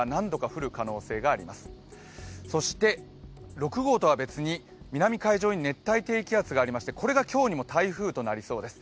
６号とは別に南海上に熱帯低気圧がありましてこれが今日にも台風となりそうです。